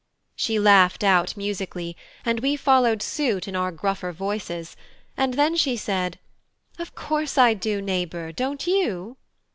She laughed out musically, and we followed suit in our gruffer voices; and then she said: "Of course I do, neighbour; don't you?"